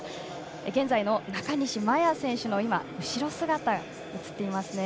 現在の中西麻耶選手の後ろ姿が映っています。